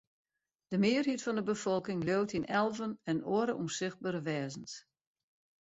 De mearheid fan de befolking leaut yn elven en oare ûnsichtbere wêzens.